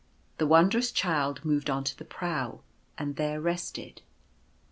The Wondrous Child moved on to the prow, and there rested.